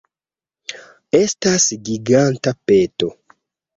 Estas giganta peto